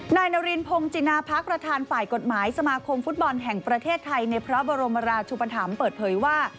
นายนารินพงศินาพักประธานฝ่ายกฎหมายสมาคมฟุตบอลแห่งประเทศไทยในพระบรมราชุปธรรมเปิดเผยว่า